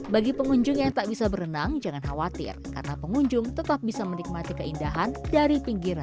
bagi pengunjung yang tak bisa berenang jangan khawatir karena pengunjung tetap bisa menikmati keindahan dari pinggiran